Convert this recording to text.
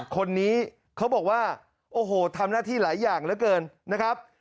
คนนี้เขาบอกว่าโอ้โหทำหน้าที่หลายอย่างเหลือเกินนะครับ